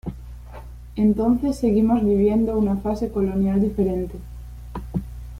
Entonces seguimos viviendo una fase colonial diferente.